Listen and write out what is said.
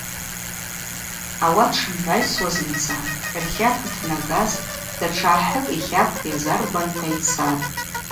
Ауат шымгӏвайсуазымца рхакв йтнаган датша ахӏыкӏ йхакв йазаргванта йцатӏ.